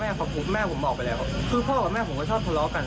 แม่ผมออกไปแล้วคือพ่อกับแม่ผมก็ชอบทะเลาะกัน